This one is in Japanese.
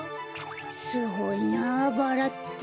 すごいなバラって。